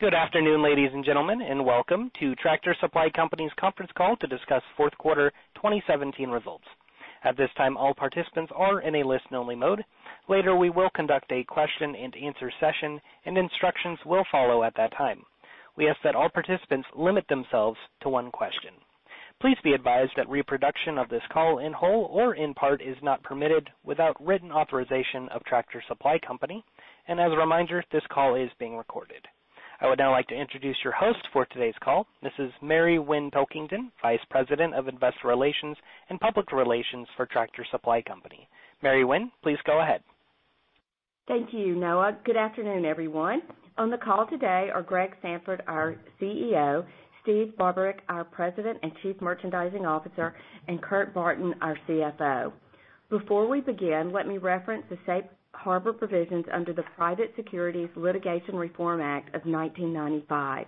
Good afternoon, ladies and gentlemen, welcome to Tractor Supply Company's conference call to discuss fourth quarter 2017 results. At this time, all participants are in a listen-only mode. Later, we will conduct a question-and-answer session, and instructions will follow at that time. We ask that all participants limit themselves to one question. Please be advised that reproduction of this call in whole or in part is not permitted without written authorization of Tractor Supply Company. As a reminder, this call is being recorded. I would now like to introduce your host for today's call. This is Mary Winn Pilkington, Vice President of Investor Relations and Public Relations for Tractor Supply Company. Mary Winn, please go ahead. Thank you, Noah. Good afternoon, everyone. On the call today are Greg Sandfort, our CEO, Steve Barbarick, our President and Chief Merchandising Officer, and Kurt Barton, our CFO. Before we begin, let me reference the Safe Harbor provisions under the Private Securities Litigation Reform Act of 1995.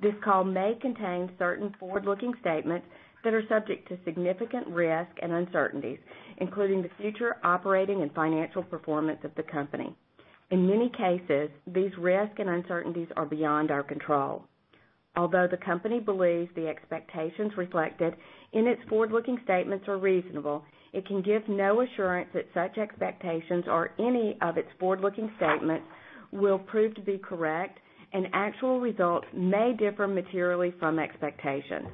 This call may contain certain forward-looking statements that are subject to significant risks and uncertainties, including the future operating and financial performance of the company. In many cases, these risks and uncertainties are beyond our control. Although the company believes the expectations reflected in its forward-looking statements are reasonable, it can give no assurance that such expectations or any of its forward-looking statements will prove to be correct, actual results may differ materially from expectations.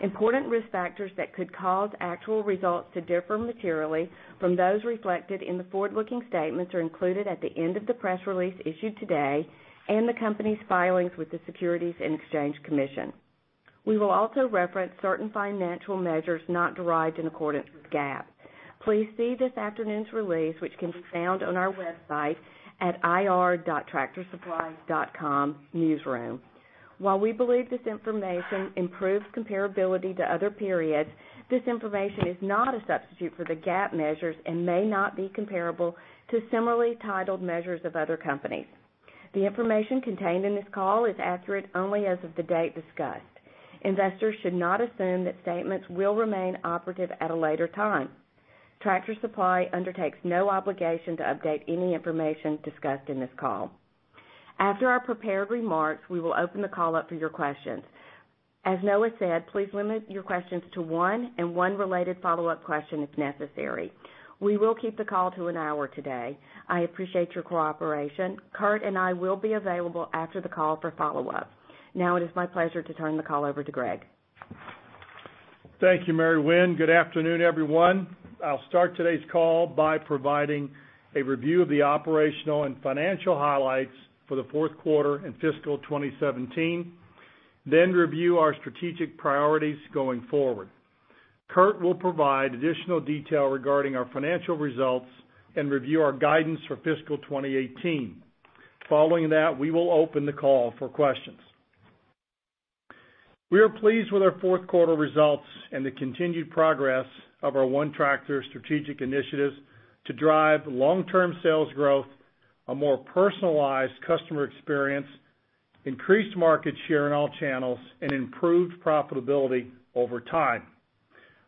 Important risk factors that could cause actual results to differ materially from those reflected in the forward-looking statements are included at the end of the press release issued today and the company's filings with the Securities and Exchange Commission. We will also reference certain financial measures not derived in accordance with GAAP. Please see this afternoon's release, which can be found on our website at ir.tractorsupply.com/newsroom. While we believe this information improves comparability to other periods, this information is not a substitute for the GAAP measures and may not be comparable to similarly titled measures of other companies. The information contained in this call is accurate only as of the date discussed. Investors should not assume that statements will remain operative at a later time. Tractor Supply undertakes no obligation to update any information discussed in this call. After our prepared remarks, we will open the call up for your questions. As Noah said, please limit your questions to one and one related follow-up question if necessary. We will keep the call to an hour today. I appreciate your cooperation. Kurt and I will be available after the call for follow-up. Now it is my pleasure to turn the call over to Greg. Thank you, Mary Winn. Good afternoon, everyone. I will start today's call by providing a review of the operational and financial highlights for Q4 2017 and fiscal 2017, then review our strategic priorities going forward. Kurt will provide additional detail regarding our financial results and review our guidance for fiscal 2018. Following that, we will open the call for questions. We are pleased with our fourth quarter results and the continued progress of our ONETractor strategic initiatives to drive long-term sales growth, a more personalized customer experience, increased market share in all channels, and improved profitability over time.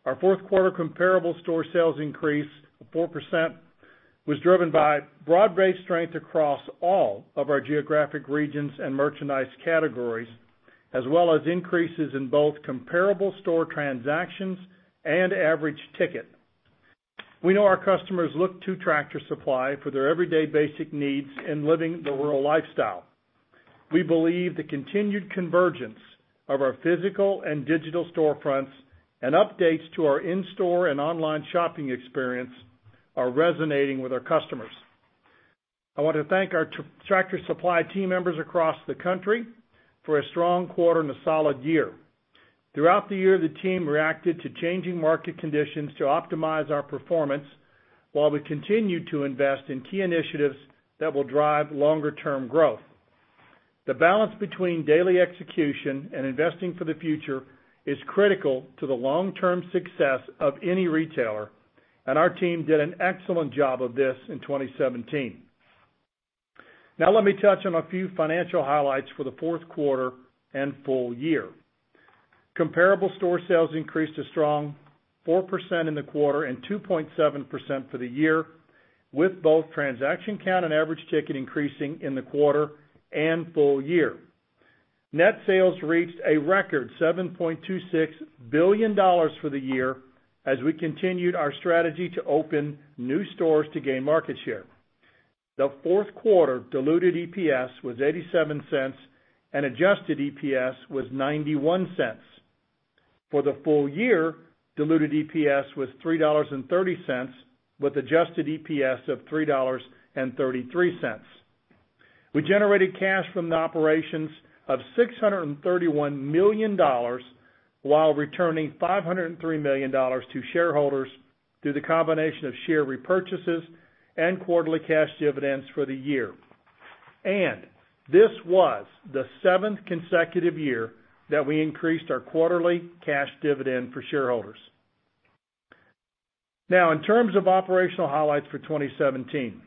Our fourth quarter comparable store sales increase of 4% was driven by broad-based strength across all of our geographic regions and merchandise categories, as well as increases in both comparable store transactions and average ticket. We know our customers look to Tractor Supply for their everyday basic needs in living the rural lifestyle. We believe the continued convergence of our physical and digital storefronts and updates to our in-store and online shopping experience are resonating with our customers. I want to thank our Tractor Supply team members across the country for a strong quarter and a solid year. Throughout the year, the team reacted to changing market conditions to optimize our performance while we continued to invest in key initiatives that will drive longer-term growth. The balance between daily execution and investing for the future is critical to the long-term success of any retailer, and our team did an excellent job of this in 2017. Now let me touch on a few financial highlights for the fourth quarter and full year. Comparable store sales increased a strong 4% in the quarter and 2.7% for the year, with both transaction count and average ticket increasing in the quarter and full year. Net sales reached a record $7.26 billion for the year as we continued our strategy to open new stores to gain market share. The fourth quarter diluted EPS was $0.87 and adjusted EPS was $0.91. For the full year, diluted EPS was $3.30 with adjusted EPS of $3.33. We generated cash from the operations of $631 million while returning $503 million to shareholders through the combination of share repurchases and quarterly cash dividends for the year. This was the seventh consecutive year that we increased our quarterly cash dividend for shareholders. Now, in terms of operational highlights for 2017.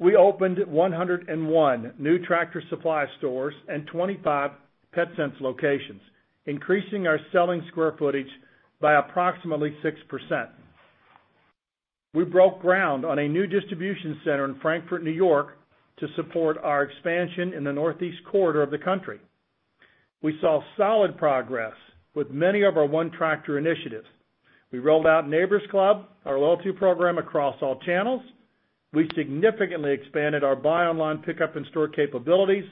We opened 101 new Tractor Supply stores and 25 Petsense locations, increasing our selling square footage by approximately 6%. We broke ground on a new distribution center in Frankfort, New York, to support our expansion in the Northeast quarter of the country. We saw solid progress with many of our ONETractor initiatives. We rolled out Neighbor's Club, our loyalty program, across all channels. We significantly expanded our buy online pickup in-store capabilities.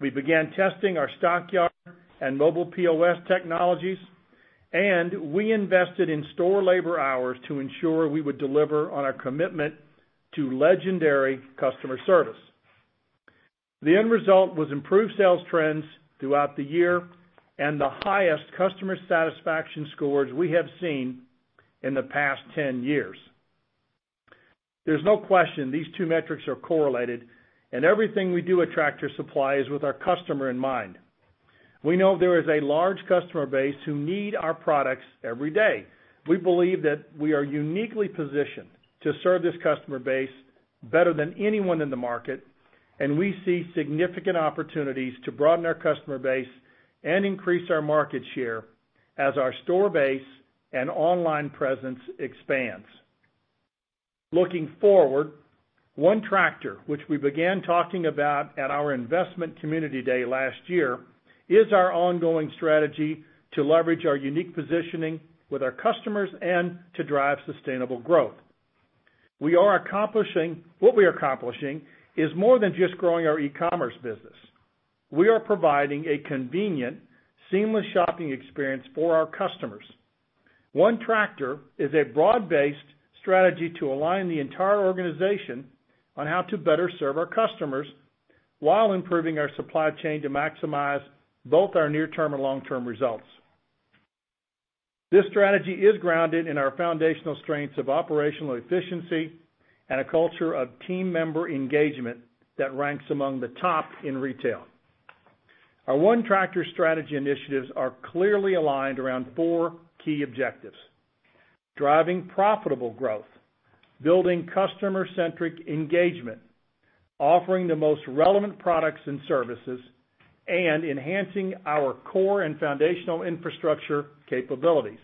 We began testing our Stockyard and mobile POS technologies, and we invested in store labor hours to ensure we would deliver on our commitment to legendary customer service. The end result was improved sales trends throughout the year and the highest customer satisfaction scores we have seen in the past 10 years. There is no question these two metrics are correlated, and everything we do at Tractor Supply is with our customer in mind. We know there is a large customer base who need our products every day. We believe that we are uniquely positioned to serve this customer base better than anyone in the market. We see significant opportunities to broaden our customer base and increase our market share as our store base and online presence expands. Looking forward, ONETractor, which we began talking about at our investment community day last year, is our ongoing strategy to leverage our unique positioning with our customers and to drive sustainable growth. What we are accomplishing is more than just growing our e-commerce business. We are providing a convenient, seamless shopping experience for our customers. ONETractor is a broad-based strategy to align the entire organization on how to better serve our customers while improving our supply chain to maximize both our near-term and long-term results. This strategy is grounded in our foundational strengths of operational efficiency and a culture of team member engagement that ranks among the top in retail. Our ONETractor strategy initiatives are clearly aligned around four key objectives: driving profitable growth, building customer-centric engagement, offering the most relevant products and services, and enhancing our core and foundational infrastructure capabilities.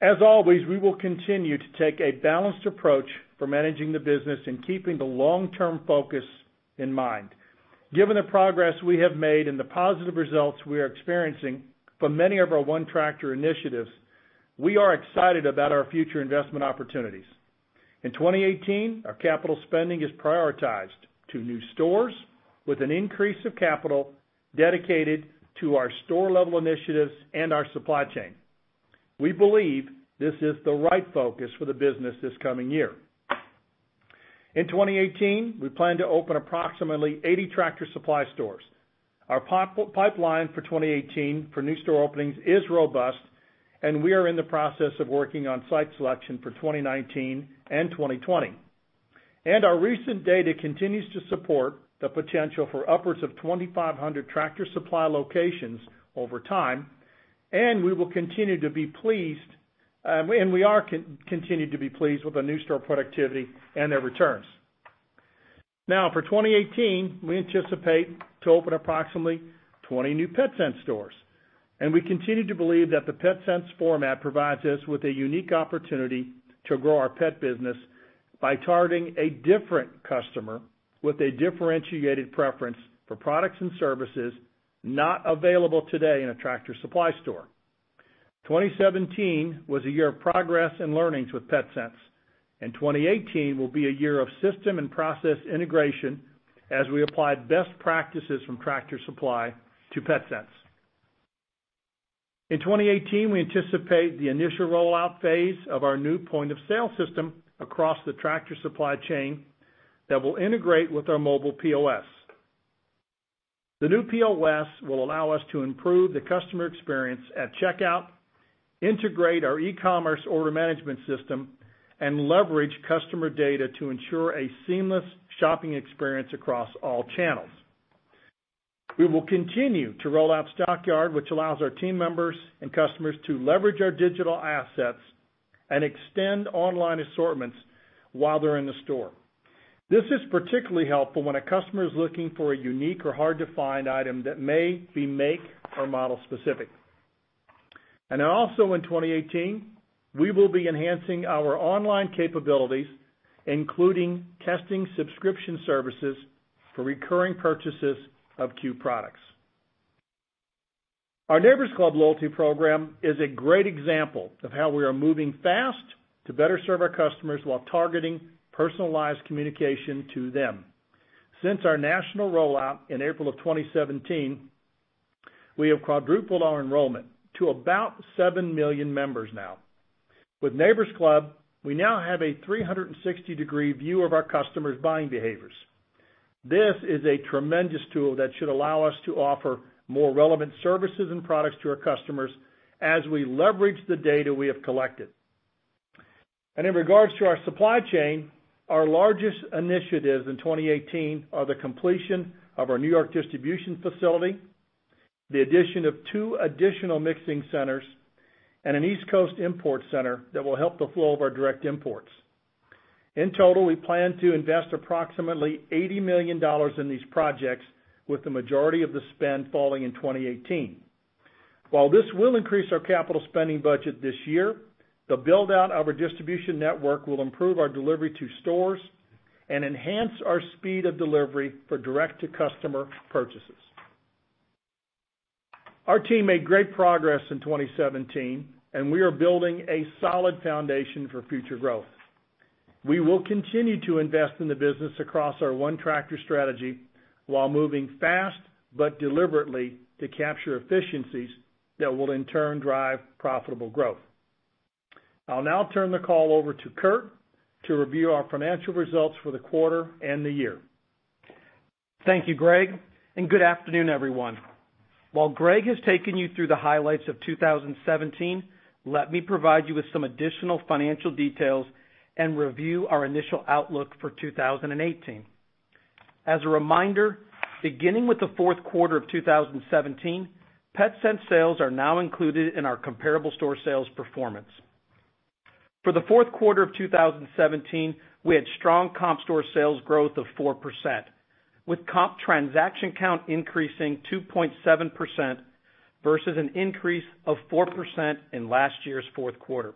As always, we will continue to take a balanced approach for managing the business and keeping the long-term focus in mind. Given the progress we have made and the positive results we are experiencing from many of our ONETractor initiatives, we are excited about our future investment opportunities. In 2018, our capital spending is prioritized to new stores with an increase of capital dedicated to our store-level initiatives and our supply chain. We believe this is the right focus for the business this coming year. In 2018, we plan to open approximately 80 Tractor Supply stores. Our pipeline for 2018 for new store openings is robust. We are in the process of working on site selection for 2019 and 2020. Our recent data continues to support the potential for upwards of 2,500 Tractor Supply locations over time. We are continued to be pleased with the new store productivity and their returns. For 2018, we anticipate to open approximately 20 new PetSense stores. We continue to believe that the PetSense format provides us with a unique opportunity to grow our pet business by targeting a different customer with a differentiated preference for products and services not available today in a Tractor Supply store. 2017 was a year of progress and learnings with PetSense. 2018 will be a year of system and process integration as we apply best practices from Tractor Supply to PetSense. In 2018, we anticipate the initial rollout phase of our new point-of-sale system across the Tractor Supply supply chain that will integrate with our mobile POS. The new POS will allow us to improve the customer experience at checkout, integrate our e-commerce order management system, and leverage customer data to ensure a seamless shopping experience across all channels. We will continue to roll out Stockyard, which allows our team members and customers to leverage our digital assets and extend online assortments while they're in the store. This is particularly helpful when a customer is looking for a unique or hard-to-find item that may be make or model specific. Also in 2018, we will be enhancing our online capabilities, including testing subscription services for recurring purchases of C.U.E. products. Our Neighbor's Club loyalty program is a great example of how we are moving fast to better serve our customers while targeting personalized communication to them. Since our national rollout in April of 2017, we have quadrupled our enrollment to about 7 million members now. With Neighbor's Club, we now have a 360-degree view of our customers' buying behaviors. This is a tremendous tool that should allow us to offer more relevant services and products to our customers as we leverage the data we have collected. In regards to our supply chain, our largest initiatives in 2018 are the completion of our New York distribution facility, the addition of 2 additional mixing centers, and an East Coast import center that will help the flow of our direct imports. In total, we plan to invest approximately $80 million in these projects, with the majority of the spend falling in 2018. While this will increase our capital spending budget this year, the build-out of our distribution network will improve our delivery to stores and enhance our speed of delivery for direct-to-customer purchases. Our team made great progress in 2017, and we are building a solid foundation for future growth. We will continue to invest in the business across our ONETractor strategy while moving fast but deliberately to capture efficiencies that will in turn drive profitable growth. I'll now turn the call over to Kurt to review our financial results for the quarter and the year. Thank you, Greg, good afternoon, everyone. While Greg has taken you through the highlights of 2017, let me provide you with some additional financial details and review our initial outlook for 2018. As a reminder, beginning with the fourth quarter of 2017, PetSense sales are now included in our comparable store sales performance. For the fourth quarter of 2017, we had strong comp store sales growth of 4%, with comp transaction count increasing 2.7% versus an increase of 4% in last year's fourth quarter.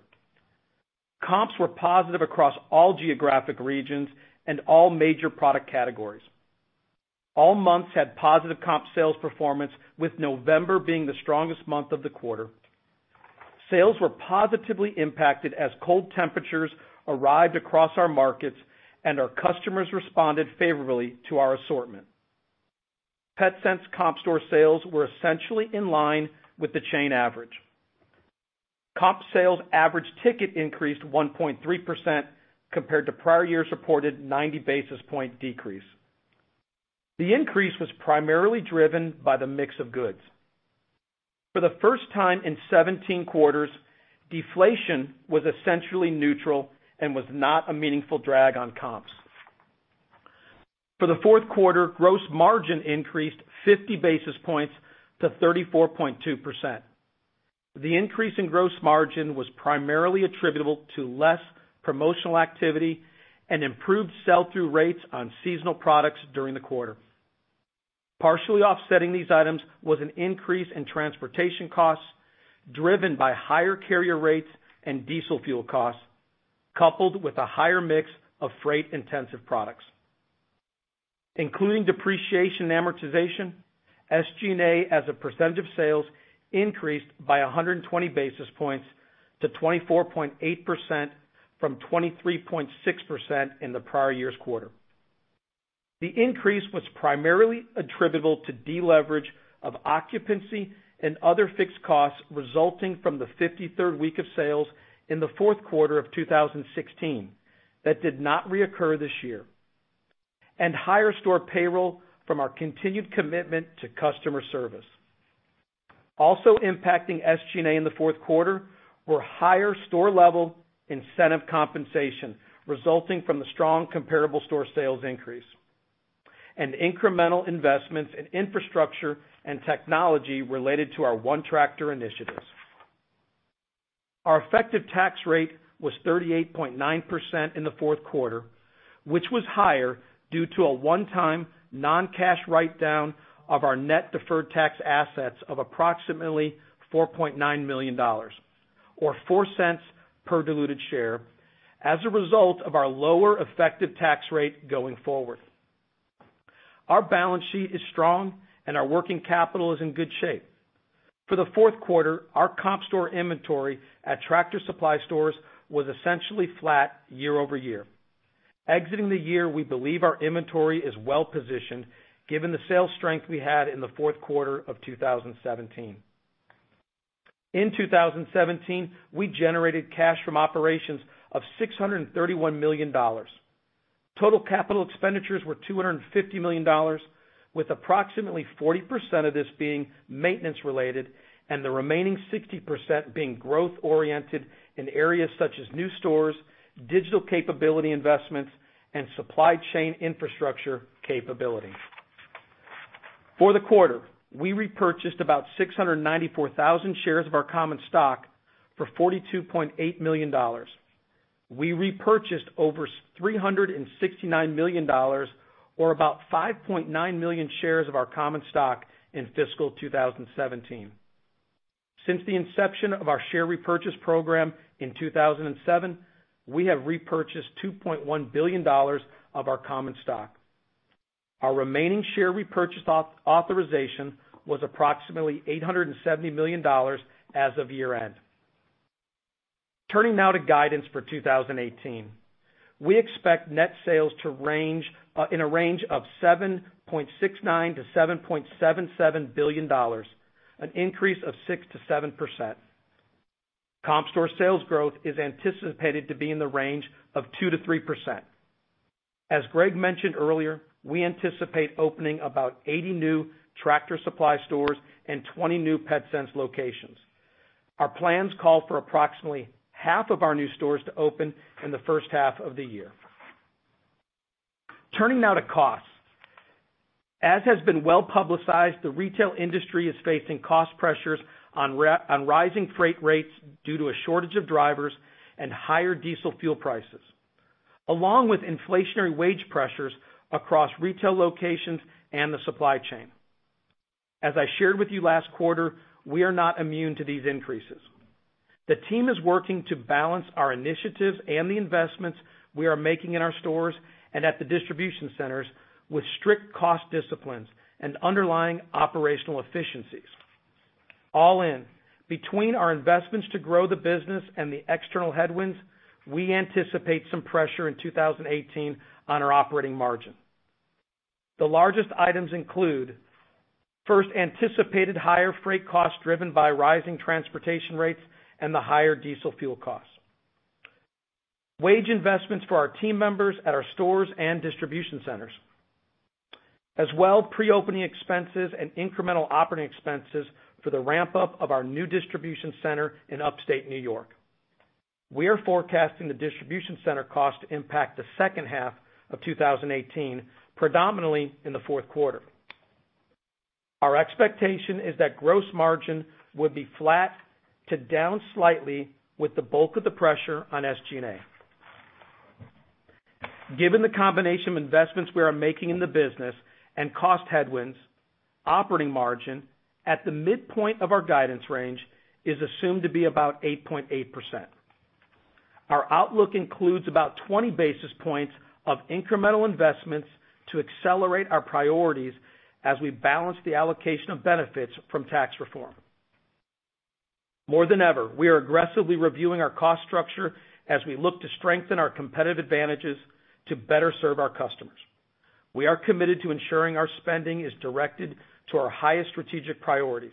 Comps were positive across all geographic regions and all major product categories. All months had positive comp sales performance, with November being the strongest month of the quarter. Sales were positively impacted as cold temperatures arrived across our markets and our customers responded favorably to our assortment. PetSense comp store sales were essentially in line with the chain average. Comp sales average ticket increased 1.3% compared to prior year's reported 90-basis-point decrease. The increase was primarily driven by the mix of goods. For the first time in 17 quarters, deflation was essentially neutral and was not a meaningful drag on comps. For the fourth quarter, gross margin increased 50 basis points to 34.2%. The increase in gross margin was primarily attributable to less promotional activity and improved sell-through rates on seasonal products during the quarter. Partially offsetting these items was an increase in transportation costs driven by higher carrier rates and diesel fuel costs, coupled with a higher mix of freight-intensive products. Including depreciation and amortization, SG&A as a percentage of sales increased by 120 basis points to 24.8% from 23.6% in the prior year's quarter. The increase was primarily attributable to deleverage of occupancy and other fixed costs resulting from the 53rd week of sales in the fourth quarter of 2016 that did not reoccur this year, and higher store payroll from our continued commitment to customer service. Also impacting SG&A in the fourth quarter were higher store-level incentive compensation resulting from the strong comparable store sales increase and incremental investments in infrastructure and technology related to our ONETractor initiatives. Our effective tax rate was 38.9% in the fourth quarter, which was higher due to a one-time non-cash write-down of our net deferred tax assets of approximately $4.9 million, or $0.04 per diluted share, as a result of our lower effective tax rate going forward. Our balance sheet is strong, and our working capital is in good shape. For the fourth quarter, our comp store inventory at Tractor Supply stores was essentially flat year-over-year. Exiting the year, we believe our inventory is well-positioned given the sales strength we had in the fourth quarter of 2017. In 2017, we generated cash from operations of $631 million. Total capital expenditures were $250 million, with approximately 40% of this being maintenance-related and the remaining 60% being growth-oriented in areas such as new stores, digital capability investments, and supply chain infrastructure capability. For the quarter, we repurchased about 694,000 shares of our common stock for $42.8 million. We repurchased over $369 million, or about 5.9 million shares of our common stock, in fiscal 2017. Since the inception of our share repurchase program in 2007, we have repurchased $2.1 billion of our common stock. Our remaining share repurchase authorization was approximately $870 million as of year-end. Turning now to guidance for 2018. We expect net sales in a range of $7.69 billion-$7.77 billion, an increase of 6%-7%. Comp store sales growth is anticipated to be in the range of 2%-3%. As Greg mentioned earlier, we anticipate opening about 80 new Tractor Supply stores and 20 new Petsense locations. Our plans call for approximately half of our new stores to open in the first half of the year. Turning now to costs. As has been well-publicized, the retail industry is facing cost pressures on rising freight rates due to a shortage of drivers and higher diesel fuel prices, along with inflationary wage pressures across retail locations and the supply chain. As I shared with you last quarter, we are not immune to these increases. The team is working to balance our initiatives and the investments we are making in our stores and at the distribution centers with strict cost disciplines and underlying operational efficiencies. All in, between our investments to grow the business and the external headwinds, we anticipate some pressure in 2018 on our operating margin. The largest items include, first, anticipated higher freight costs driven by rising transportation rates and the higher diesel fuel costs, wage investments for our team members at our stores and distribution centers, as well pre-opening expenses and incremental operating expenses for the ramp-up of our new distribution center in Upstate New York. We are forecasting the distribution center cost to impact the second half of 2018, predominantly in the fourth quarter. Our expectation is that gross margin would be flat to down slightly with the bulk of the pressure on SG&A. Given the combination of investments we are making in the business and cost headwinds, operating margin at the midpoint of our guidance range is assumed to be about 8.8%. Our outlook includes about 20 basis points of incremental investments to accelerate our priorities as we balance the allocation of benefits from tax reform. More than ever, we are aggressively reviewing our cost structure as we look to strengthen our competitive advantages to better serve our customers. We are committed to ensuring our spending is directed to our highest strategic priorities,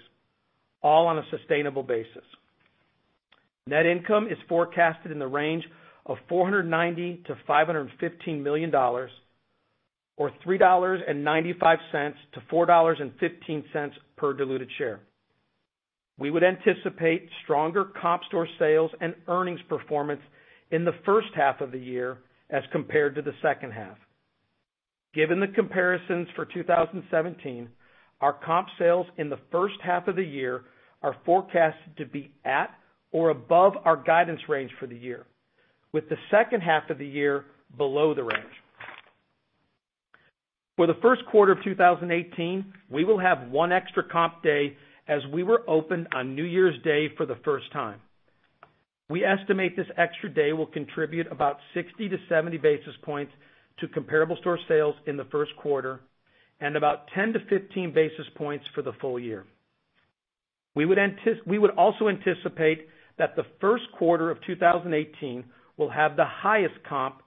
all on a sustainable basis. Net income is forecasted in the range of $490 million to $515 million, or $3.95 to $4.15 per diluted share. We would anticipate stronger comp store sales and earnings performance in the first half of the year as compared to the second half. Given the comparisons for 2017, our comp sales in the first half of the year are forecasted to be at or above our guidance range for the year, with the second half of the year below the range. For the first quarter of 2018, we will have one extra comp day as we were open on New Year's Day for the first time. We estimate this extra day will contribute about 60 to 70 basis points to comparable store sales in the first quarter and about 10 to 15 basis points for the full year. We would also anticipate that the first quarter of 2018 will have the highest comp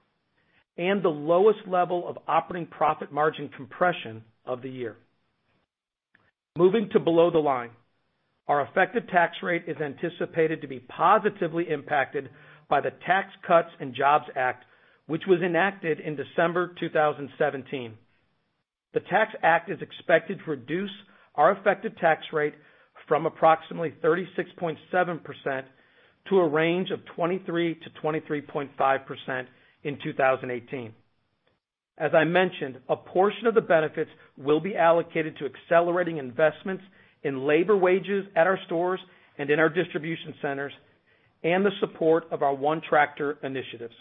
and the lowest level of operating profit margin compression of the year. Moving to below the line, our effective tax rate is anticipated to be positively impacted by the Tax Cuts and Jobs Act, which was enacted in December 2017. The Tax Act is expected to reduce our effective tax rate from approximately 36.7% to a range of 23% to 23.5% in 2018. As I mentioned, a portion of the benefits will be allocated to accelerating investments in labor wages at our stores and in our distribution centers and the support of our ONETractor initiatives.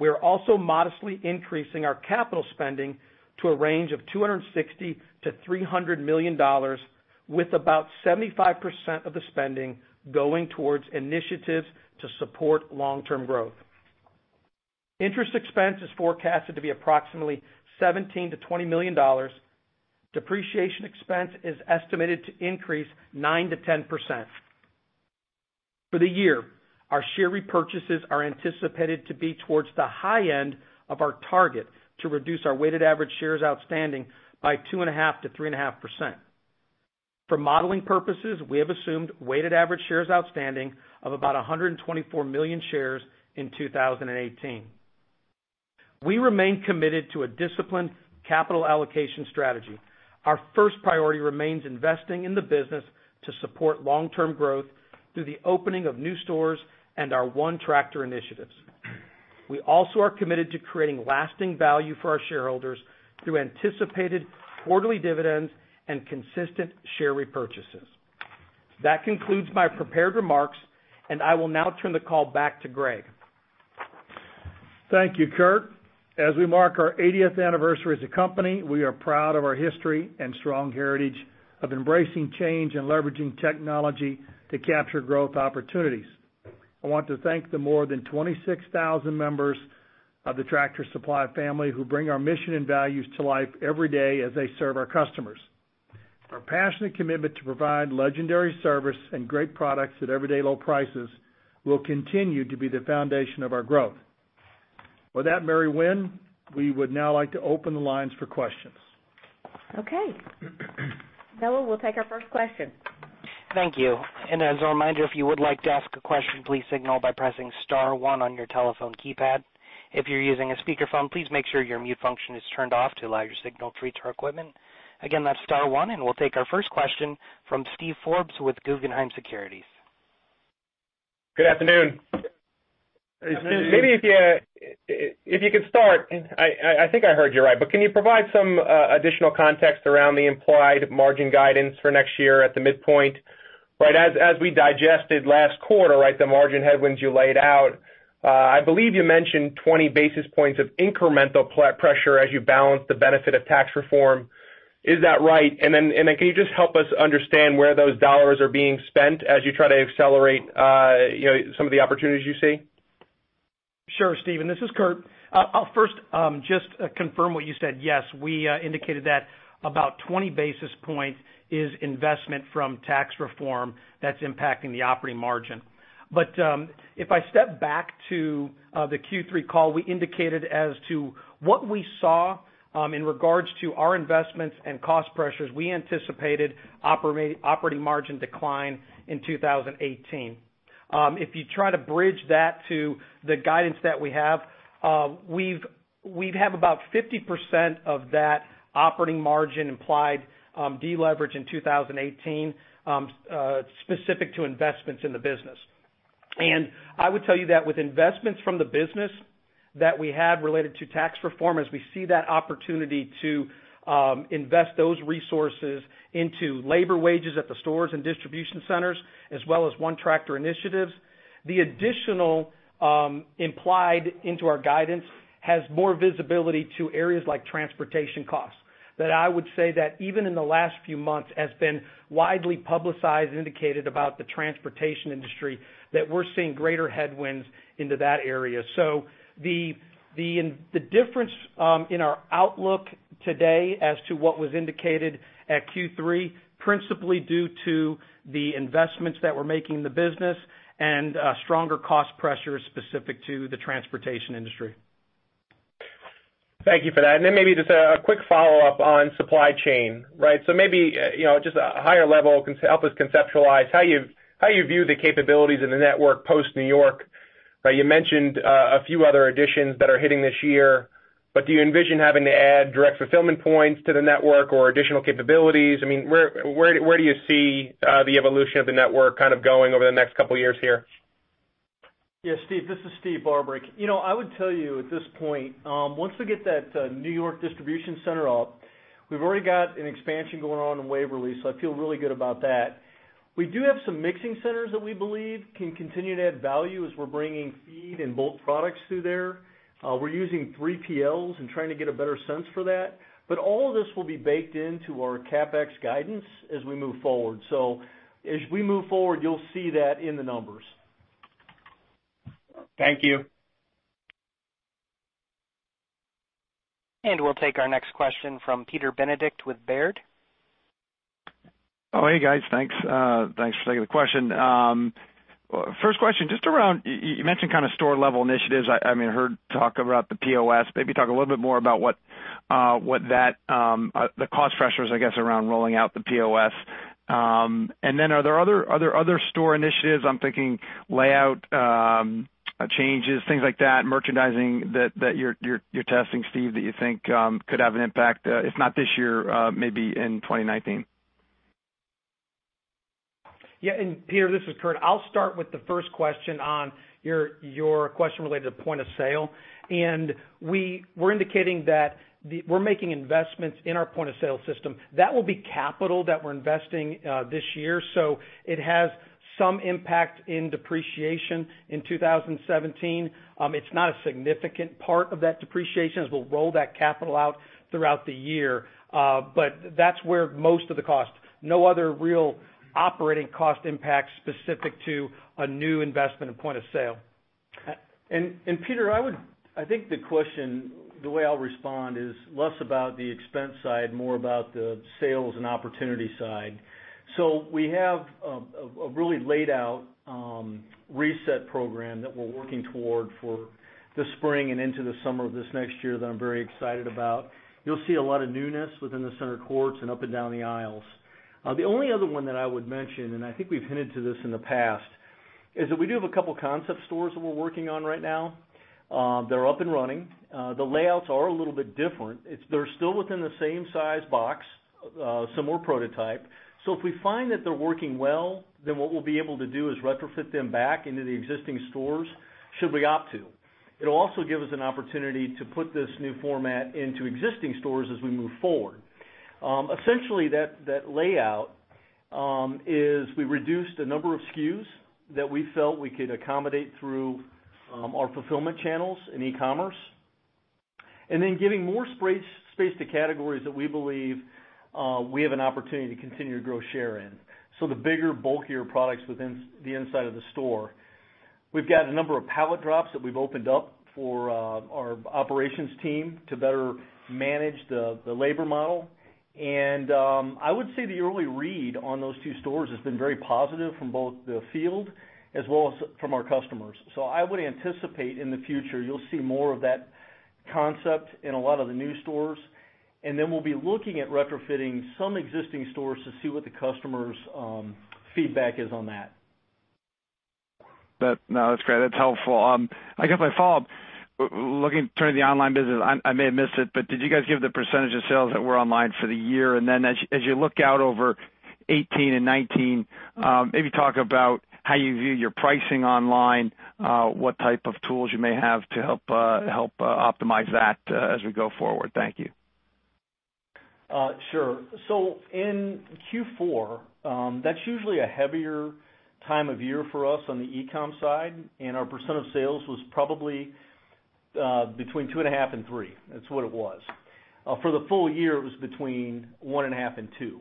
We are also modestly increasing our capital spending to a range of $260 million to $300 million, with about 75% of the spending going towards initiatives to support long-term growth. Interest expense is forecasted to be approximately $17 million to $20 million. Depreciation expense is estimated to increase 9% to 10%. For the year, our share repurchases are anticipated to be towards the high end of our target to reduce our weighted average shares outstanding by 2.5% to 3.5%. For modeling purposes, we have assumed weighted average shares outstanding of about 124 million shares in 2018. We remain committed to a disciplined capital allocation strategy. Our first priority remains investing in the business to support long-term growth through the opening of new stores and our ONETractor initiatives. We also are committed to creating lasting value for our shareholders through anticipated quarterly dividends and consistent share repurchases. That concludes my prepared remarks, and I will now turn the call back to Greg. Thank you, Kurt. As we mark our 80th anniversary as a company, we are proud of our history and strong heritage of embracing change and leveraging technology to capture growth opportunities. I want to thank the more than 26,000 members of the Tractor Supply family who bring our mission and values to life every day as they serve our customers. Our passionate commitment to provide legendary service and great products at everyday low prices will continue to be the foundation of our growth. With that, Mary Winn, we would now like to open the lines for questions. Okay. Noah, we'll take our first question. Thank you. As a reminder, if you would like to ask a question, please signal by pressing star one on your telephone keypad. If you're using a speakerphone, please make sure your mute function is turned off to allow your signal through to our equipment. Again, that's star one. We'll take our first question from Steve Forbes with Guggenheim Securities. Good afternoon. Good afternoon. Maybe if you could start, I think I heard you right, but can you provide some additional context around the implied margin guidance for next year at the midpoint? As we digested last quarter, the margin headwinds you laid out, I believe you mentioned 20 basis points of incremental pressure as you balance the benefit of Tax Reform. Is that right? Can you just help us understand where those dollars are being spent as you try to accelerate some of the opportunities you see? Sure, Steven. This is Kurt. I'll first just confirm what you said. Yes, we indicated that about 20 basis points is investment from Tax Reform that's impacting the operating margin. If I step back to the Q3 call, we indicated as to what we saw in regards to our investments and cost pressures. We anticipated operating margin decline in 2018. If you try to bridge that to the guidance that we have, we'd have about 50% of that operating margin implied de-leverage in 2018 specific to investments in the business. I would tell you that with investments from the business that we had related to Tax Reform, as we see that opportunity to invest those resources into labor wages at the stores and distribution centers, as well as ONETractor initiatives. The additional implied into our guidance has more visibility to areas like transportation costs. I would say that even in the last few months has been widely publicized and indicated about the transportation industry, that we're seeing greater headwinds into that area. The difference in our outlook today as to what was indicated at Q3, principally due to the investments that we're making in the business and stronger cost pressures specific to the transportation industry. Thank you for that. Then maybe just a quick follow-up on supply chain. Maybe, just a higher level, help us conceptualize how you view the capabilities in the network post New York. You mentioned a few other additions that are hitting this year, but do you envision having to add direct fulfillment points to the network or additional capabilities? Where do you see the evolution of the network going over the next couple of years here? Yes, Steve, this is Steve Barbarick. I would tell you at this point, once we get that New York distribution center up, we've already got an expansion going on in Waverly, so I feel really good about that. We do have some mixing centers that we believe can continue to add value as we're bringing feed and bulk products through there. We're using 3PLs and trying to get a better sense for that. All of this will be baked into our CapEx guidance as we move forward. As we move forward, you'll see that in the numbers. Thank you. We'll take our next question from Peter Benedict with Baird. Oh, hey, guys. Thanks for taking the question. First question, just around, you mentioned store-level initiatives. I heard talk about the POS. Maybe talk a little bit more about the cost pressures, I guess, around rolling out the POS. Are there other store initiatives, I'm thinking layout changes, things like that, merchandising that you're testing, Steve, that you think could have an impact, if not this year, maybe in 2019? Yeah. Peter, this is Kurt. I'll start with the first question on your question related to point of sale. We're indicating that we're making investments in our point of sale system. That will be capital that we're investing this year. It has some impact in depreciation in 2017. It's not a significant part of that depreciation, as we'll roll that capital out throughout the year. That's where most of the cost. No other real operating cost impacts specific to a new investment in point of sale. Peter, I think the question, the way I'll respond is less about the expense side, more about the sales and opportunity side. We have a really laid out reset program that we're working toward for the spring and into the summer of this next year that I'm very excited about. You'll see a lot of newness within the center courts and up and down the aisles. The only other one that I would mention, and I think we've hinted to this in the past, is that we do have a couple concept stores that we're working on right now. They're up and running. The layouts are a little bit different. They're still within the same size box, similar prototype. If we find that they're working well, then what we'll be able to do is retrofit them back into the existing stores should we opt to. It'll also give us an opportunity to put this new format into existing stores as we move forward. Essentially, that layout is we reduced a number of SKUs that we felt we could accommodate through our fulfillment channels in e-commerce, then giving more space to categories that we believe we have an opportunity to continue to grow share in. The bigger, bulkier products within the inside of the store. We've got a number of pallet drops that we've opened up for our operations team to better manage the labor model. I would say the early read on those two stores has been very positive from both the field as well as from our customers. I would anticipate in the future you'll see more of that concept in a lot of the new stores, then we'll be looking at retrofitting some existing stores to see what the customers' feedback is on that. No, that's great. That's helpful. I guess my follow-up Looking at turning the online business, I may have missed it, but did you guys give the percentage of sales that were online for the year? As you look out over 2018 and 2019, maybe talk about how you view your pricing online, what type of tools you may have to help optimize that as we go forward. Thank you. Sure. In Q4, that's usually a heavier time of year for us on the e-com side, and our percent of sales was probably between 2.5% and 3%. That's what it was. For the full year, it was between 1.5% and 2%.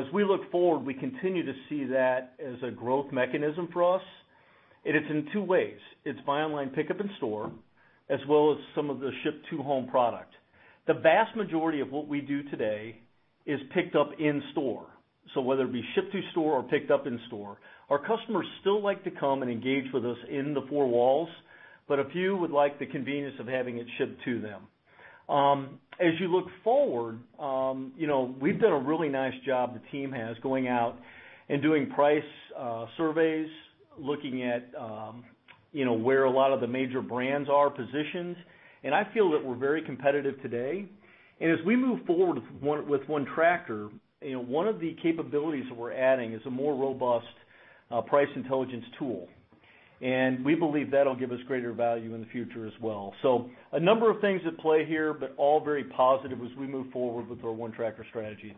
As we look forward, we continue to see that as a growth mechanism for us. It's in two ways. It's buy online, pick up in store, as well as some of the ship-to-home product. The vast majority of what we do today is picked up in store. Whether it be shipped to store or picked up in store, our customers still like to come and engage with us in the four walls, but a few would like the convenience of having it shipped to them. As you look forward, we've done a really nice job, the team has, going out and doing price surveys, looking at where a lot of the major brands are positioned. I feel that we're very competitive today. As we move forward with ONETractor, one of the capabilities that we're adding is a more robust price intelligence tool. We believe that'll give us greater value in the future as well. A number of things at play here, but all very positive as we move forward with our ONETractor strategy.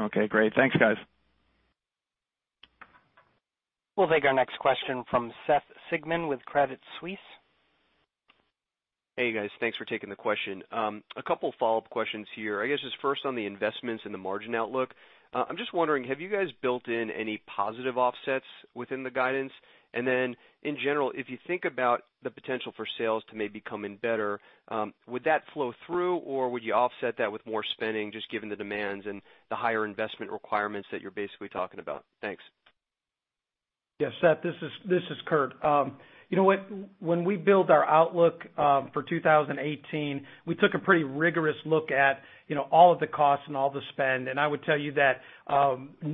Okay, great. Thanks, guys. We'll take our next question from Seth Sigman with Credit Suisse. Hey, guys. Thanks for taking the question. A couple follow-up questions here. I guess, just first on the investments and the margin outlook. I'm just wondering, have you guys built in any positive offsets within the guidance? In general, if you think about the potential for sales to maybe come in better, would that flow through, or would you offset that with more spending just given the demands and the higher investment requirements that you're basically talking about? Thanks. Yeah, Seth, this is Kurt. You know what? When we built our outlook, for 2018, we took a pretty rigorous look at all of the costs and all the spend. I would tell you that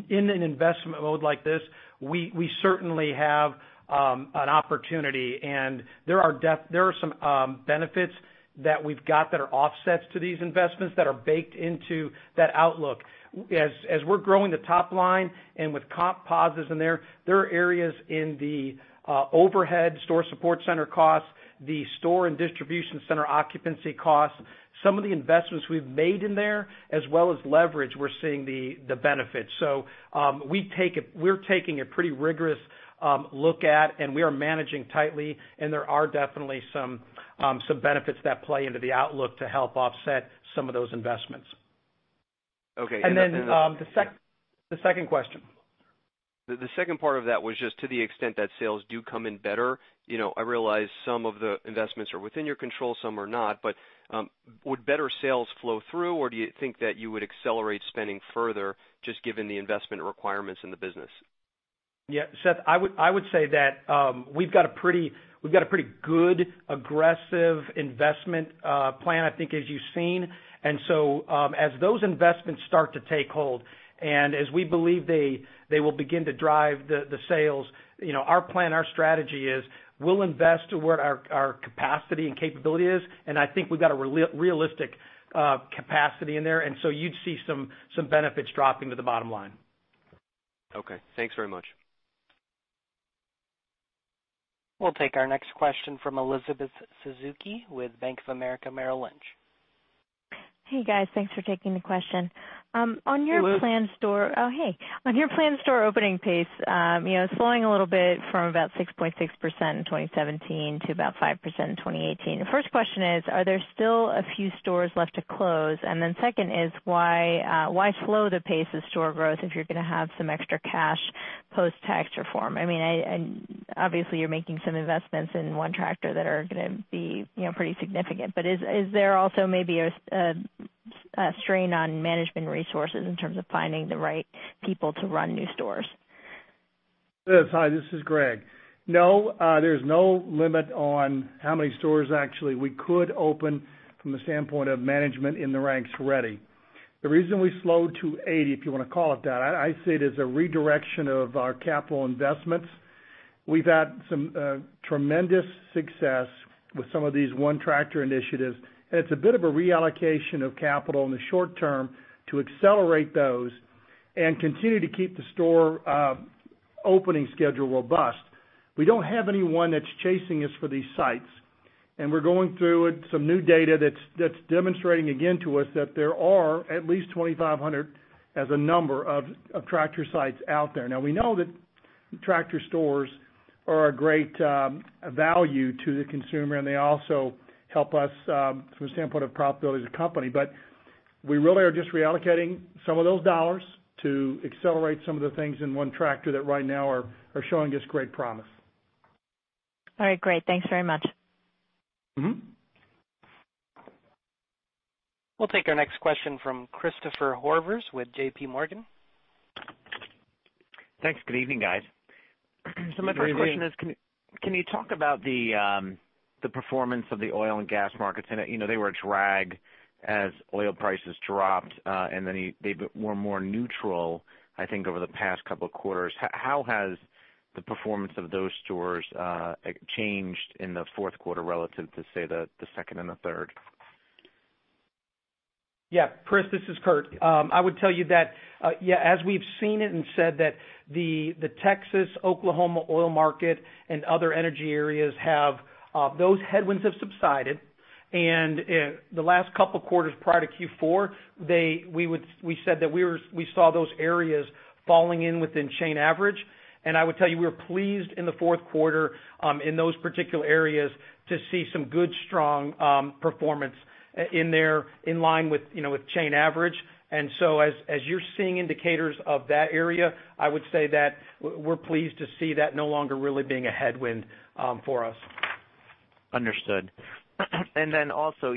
in an investment mode like this, we certainly have an opportunity, and there are some benefits that we've got that are offsets to these investments that are baked into that outlook. As we're growing the top line and with comp positives in there are areas in the overhead store support center costs, the store and distribution center occupancy costs. Some of the investments we've made in there, as well as leverage, we're seeing the benefits. We're taking a pretty rigorous look at, and we are managing tightly, and there are definitely some benefits that play into the outlook to help offset some of those investments. Okay. The second question. The second part of that was just to the extent that sales do come in better. I realize some of the investments are within your control, some are not, but would better sales flow through, or do you think that you would accelerate spending further just given the investment requirements in the business? Yeah, Seth, I would say that we've got a pretty good, aggressive investment plan, I think, as you've seen. As those investments start to take hold, and as we believe they will begin to drive the sales, our plan, our strategy is we'll invest to where our capacity and capability is, and I think we've got a realistic capacity in there. You'd see some benefits dropping to the bottom line. Okay. Thanks very much. We'll take our next question from Elizabeth Suzuki with Bank of America Merrill Lynch. Hey, guys. Thanks for taking the question. Hello. Oh, hey. On your planned store opening pace, it's slowing a little bit from about 6.6% in 2017 to about 5% in 2018. The first question is, are there still a few stores left to close? Second is, why slow the pace of store growth if you're going to have some extra cash post-tax reform? Obviously, you're making some investments in ONETractor that are going to be pretty significant. Is there also maybe a strain on management resources in terms of finding the right people to run new stores? Liz, hi. This is Greg. There's no limit on how many stores actually we could open from the standpoint of management in the ranks ready. The reason we slowed to 80, if you want to call it that, I see it as a redirection of our capital investments. We've had some tremendous success with some of these ONETractor initiatives, and it's a bit of a reallocation of capital in the short term to accelerate those and continue to keep the store opening schedule robust. We don't have anyone that's chasing us for these sites, and we're going through some new data that's demonstrating again to us that there are at least 2,500 as a number of Tractor sites out there. We know that Tractor stores are a great value to the consumer, and they also help us from the standpoint of profitability as a company. We really are just reallocating some of those dollars to accelerate some of the things in ONETractor that right now are showing us great promise. All right. Great. Thanks very much. We'll take our next question from Christopher Horvers with JPMorgan. Thanks. Good evening, guys. Good evening. My first question is, can you talk about the performance of the oil and gas markets, they were a drag as oil prices dropped, then they were more neutral, I think, over the past couple of quarters. How has the performance of those stores changed in the fourth quarter relative to, say, the second and the third? Yeah. Chris, this is Kurt. I would tell you that, as we've seen it and said that the Texas, Oklahoma oil market and other energy areas, those headwinds have subsided. The last couple of quarters prior to Q4, we said that we saw those areas falling in within chain average. I would tell you, we were pleased in the fourth quarter, in those particular areas, to see some good, strong performance in there in line with chain average. So as you're seeing indicators of that area, I would say that we're pleased to see that no longer really being a headwind for us. Understood. Also,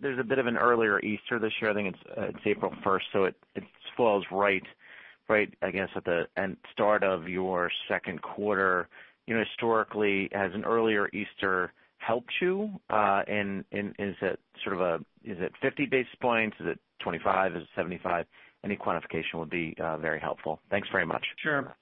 there's a bit of an earlier Easter this year. I think it's April 1st. It falls right, I guess, at the start of your second quarter. Historically, has an earlier Easter helped you? Is it 50 basis points? Is it 25? Is it 75? Any quantification would be very helpful. Thanks very much. Sure.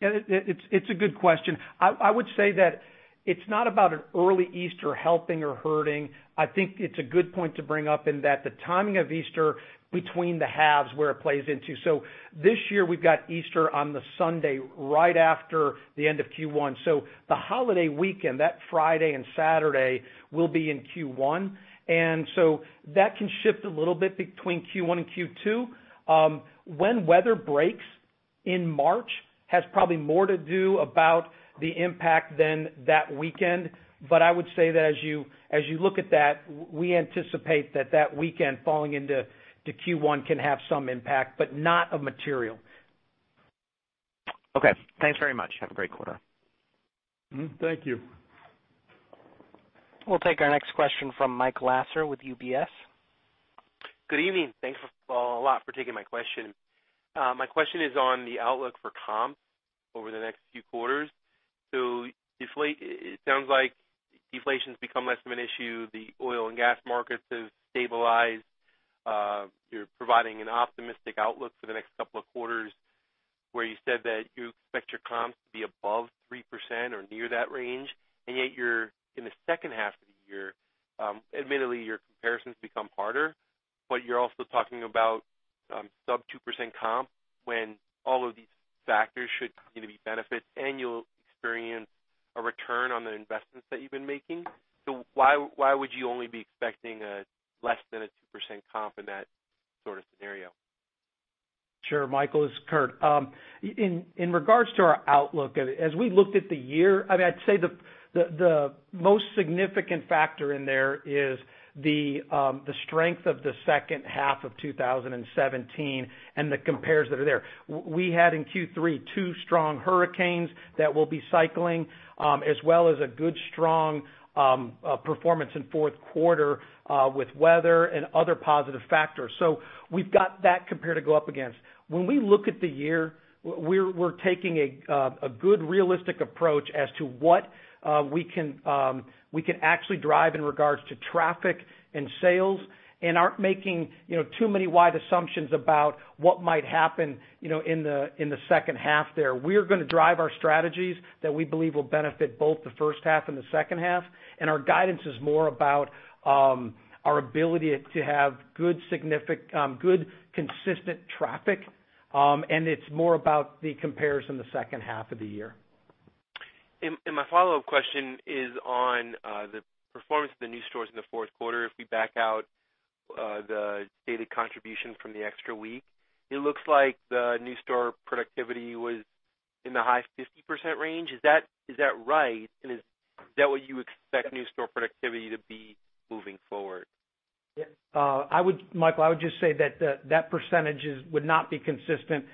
It's a good question. I would say that it's not about an early Easter helping or hurting. I think it's a good point to bring up in that the timing of Easter between the halves, where it plays into. This year, we've got Easter on the Sunday right after the end of Q1. The holiday weekend, that Friday and Saturday, will be in Q1. That can shift a little bit between Q1 and Q2. When weather breaks in March has probably more to do about the impact than that weekend. I would say that as you look at that, we anticipate that that weekend falling into Q1 can have some impact, but not of material. Okay. Thanks very much. Have a great quarter. Thank you. We'll take our next question from Michael Lasser with UBS. Good evening. Thanks a lot for taking my question. My question is on the outlook for comps over the next few quarters. It sounds like deflation's become less of an issue. The oil and gas markets have stabilized. You're providing an optimistic outlook for the next couple of quarters where you said that you expect your comps to be above 3% or near that range. Yet you're in the second half of the year. Admittedly, your comparisons become harder, but you're also talking about sub 2% comp when all of these factors should continue to be benefits, and you'll experience a return on the investments that you've been making. Why would you only be expecting less than a 2% comp in that sort of scenario? Sure, Michael, this is Kurt. In regards to our outlook, as we looked at the year, I'd say the most significant factor in there is the strength of the second half of 2017 and the compares that are there. We had in Q3 two strong hurricanes that will be cycling, as well as a good, strong performance in fourth quarter with weather and other positive factors. We've got that compare to go up against. When we look at the year, we're taking a good, realistic approach as to what we can actually drive in regards to traffic and sales and aren't making too many wide assumptions about what might happen in the second half there. We're going to drive our strategies that we believe will benefit both the first half and the second half, our guidance is more about our ability to have good, consistent traffic. It's more about the compares in the second half of the year. My follow-up question is on the performance of the new stores in the fourth quarter. If we back out the stated contribution from the extra week, it looks like the new store productivity was in the high 50% range. Is that right? Is that what you expect new store productivity to be moving forward? Michael, I would just say that that percentage would not be consistent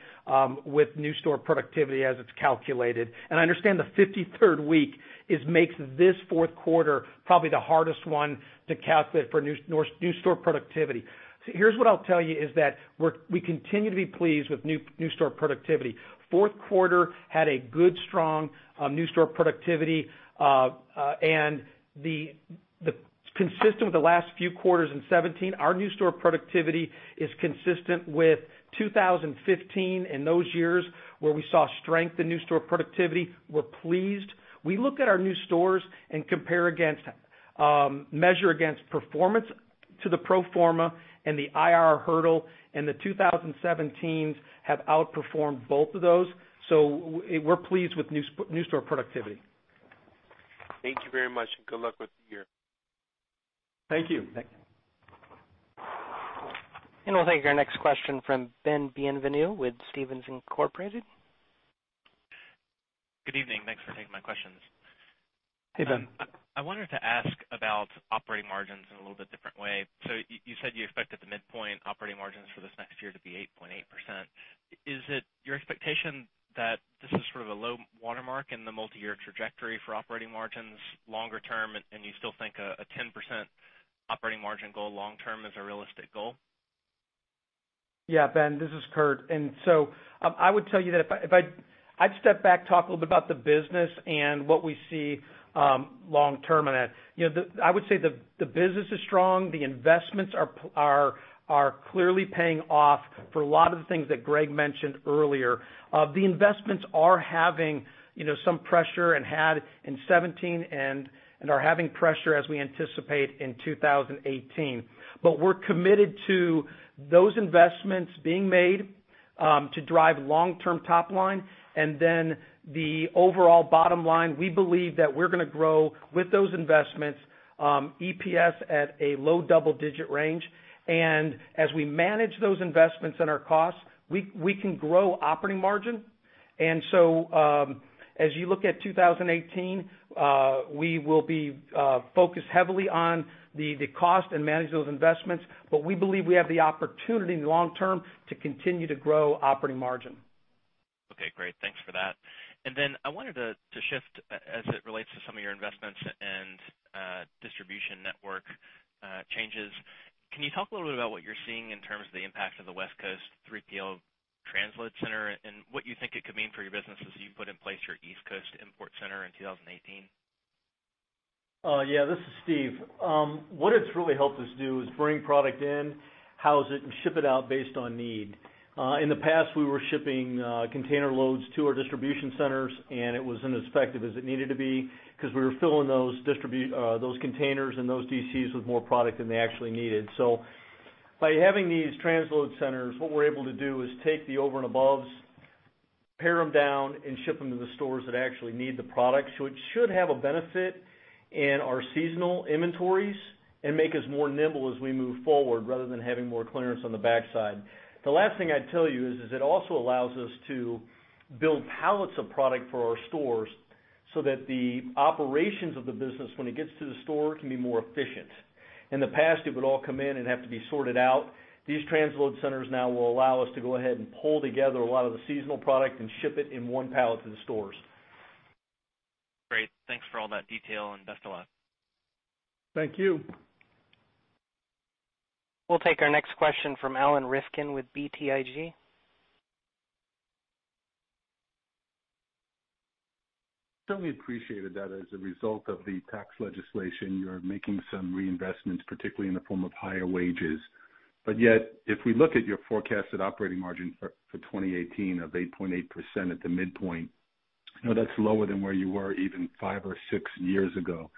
with new store productivity as it's calculated. I understand the 53rd week makes this fourth quarter probably the hardest one to calculate for new store productivity. Here's what I'll tell you, is that we continue to be pleased with new store productivity. Fourth quarter had a good, strong new store productivity. Consistent with the last few quarters in 2017, our new store productivity is consistent with 2015 and those years where we saw strength in new store productivity. We're pleased. We look at our new stores and measure against performance to the pro forma and the IRR hurdle, and the 2017s have outperformed both of those. We're pleased with new store productivity. Thank you very much. Good luck with the year. Thank you. Thanks. We'll take our next question from Ben Bienvenu with Stephens Incorporated. Good evening. Thanks for taking my questions. Hey, Ben. I wanted to ask about operating margins in a little bit different way. You said you expected the midpoint operating margins for this next year to be 8.8%. Is it your expectation that this is sort of a low watermark in the multi-year trajectory for operating margins longer term, and you still think a 10% operating margin goal long term is a realistic goal? Yeah, Ben, this is Kurt. I would tell you that if I'd step back, talk a little bit about the business and what we see long term in that. I would say the business is strong. The investments are clearly paying off for a lot of the things that Greg mentioned earlier. The investments are having some pressure and had in 2017 and are having pressure as we anticipate in 2018. We're committed to those investments being made, to drive long-term top line, then the overall bottom line, we believe that we're going to grow with those investments, EPS at a low double-digit range. As we manage those investments and our costs, we can grow operating margin. As you look at 2018, we will be focused heavily on the cost and manage those investments. We believe we have the opportunity in the long term to continue to grow operating margin. Okay, great. Thanks for that. I wanted to shift as it relates to some of your investments and distribution network changes. Can you talk a little bit about what you're seeing in terms of the impact of the West Coast 3PL transload center and what you think it could mean for your business as you put in place your East Coast import center in 2018? Yeah, this is Steve. What it's really helped us do is bring product in, house it, and ship it out based on need. In the past, we were shipping container loads to our distribution centers, and it wasn't as effective as it needed to be because we were filling those containers and those DCs with more product than they actually needed. By having these transload centers, what we're able to do is take the over and above, pare them down and ship them to the stores that actually need the product. It should have a benefit in our seasonal inventories and make us more nimble as we move forward rather than having more clearance on the backside. The last thing I'd tell you is it also allows us to build pallets of product for our stores so that the operations of the business, when it gets to the store, can be more efficient. In the past, it would all come in and have to be sorted out. These transload centers now will allow us to go ahead and pull together a lot of the seasonal product and ship it in one pallet to the stores. Great. Thanks for all that detail, and best of luck. Thank you. We'll take our next question from Alan Rifkin with BTIG. Certainly appreciated that as a result of the tax legislation, you are making some reinvestments, particularly in the form of higher wages. Yet, if we look at your forecasted operating margin for 2018 of 8.8% at the midpoint, that's lower than where you were even five or six years ago.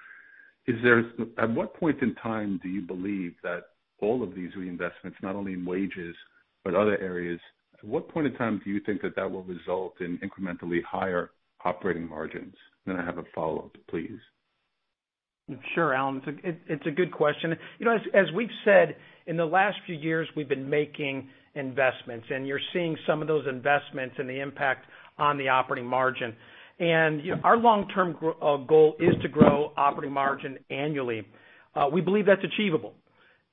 At what point in time do you believe that all of these reinvestments, not only in wages, but other areas, at what point in time do you think that will result in incrementally higher operating margins? I have a follow-up, please. Sure, Alan. It's a good question. As we've said, in the last few years, we've been making investments, and you're seeing some of those investments and the impact on the operating margin. Our long-term goal is to grow operating margin annually. We believe that's achievable.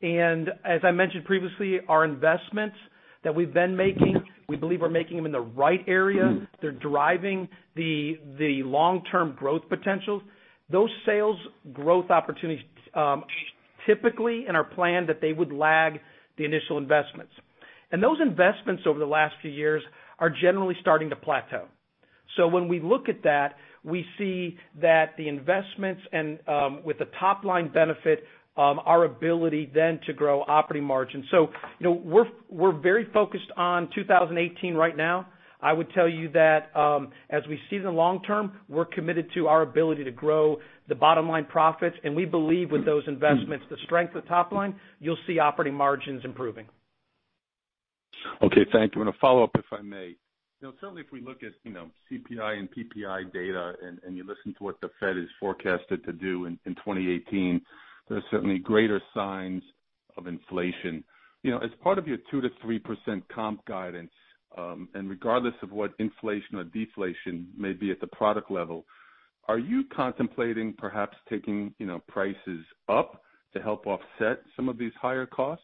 As I mentioned previously, our investments that we've been making, we believe we're making them in the right area. They're driving the long-term growth potential. Those sales growth opportunities, typically in our plan that they would lag the initial investments. Those investments over the last few years are generally starting to plateau. When we look at that, we see that the investments and with the top-line benefit, our ability then to grow operating margin. We're very focused on 2018 right now. I would tell you that, as we see the long term, we're committed to our ability to grow the bottom line profits, and we believe with those investments, the strength of top line, you'll see operating margins improving. Okay, thank you. A follow-up, if I may. Certainly, if we look at CPI and PPI data and you listen to what the Fed is forecasted to do in 2018, there are certainly greater signs of inflation. As part of your 2%-3% comp guidance, and regardless of what inflation or deflation may be at the product level, are you contemplating perhaps taking prices up to help offset some of these higher costs?